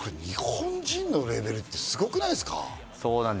日本人のレベルってすごくないですか？